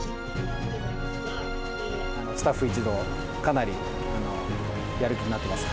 スタッフ一同、かなりやる気になってます。